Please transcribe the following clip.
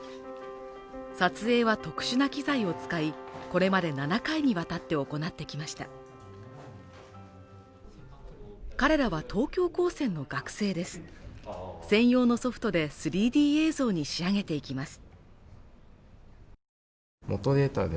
撮影は特殊な機材を使いこれまで７回にわたってを行ってきました彼らは東京高専の学生です専用のソフトで３Ｄ映像に仕上げていきます